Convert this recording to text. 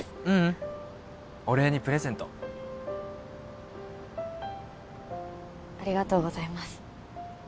ううんお礼にプレゼントありがとうございます